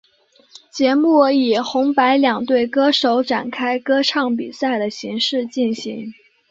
节目以红白两队歌手展开歌唱比赛的形式进行。